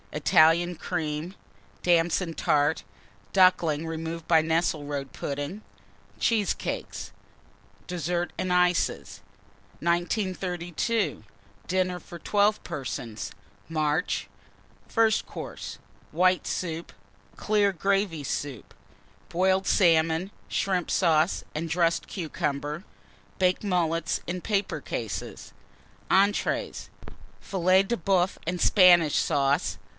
Italian Cream. Damson Tart. Ducklings, Cheesecakes. removed by Nesselrode Pudding. DESSERT AND ICES. 1932. DINNER FOR 12 PERSONS (March). FIRST COURSE. White Soup. Clear Gravy Soup. Boiled Salmon, Shrimp Sauce, and dressed Cucumber. Baked Mullets in paper cases. ENTREES. Filet de Boeuf and Spanish Sauce.